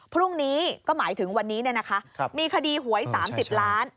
พรุ่งนี้ก็หมายถึงวันนี้มีคดีหวย๓๐ล้าน